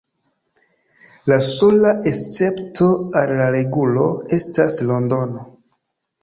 La sola escepto al la regulo estas Londono.